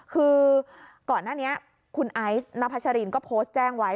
คือก่อนหน้านี้คุณไอซ์นพัชรินก็โพสต์แจ้งไว้